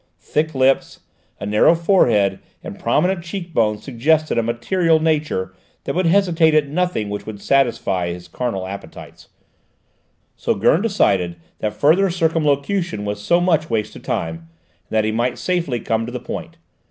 Thick lips, a narrow forehead, and prominent cheek bones suggested a material nature that would hesitate at nothing which would satisfy his carnal appetites, so Gurn decided that further circumlocution was so much waste of time, and that he might safely come to the point.